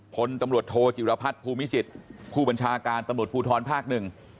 พลตำรวจโทจิรพัฒน์ภูมิจิตรผู้บัญชาการตำรวจภูทรภาคหนึ่ง